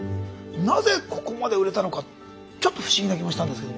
なぜここまで売れたのかちょっと不思議な気もしたんですけども。